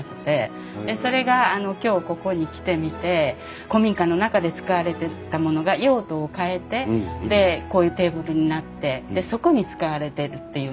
でそれがあの今日ここに来てみて古民家の中で使われてたものが用途を変えてでこういうテーブルになってでそこに使われてるっていうのが本当にとってもうれしかったです。